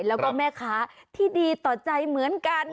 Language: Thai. แล้วก็แม่ค้าที่ดีต่อใจเหมือนกัน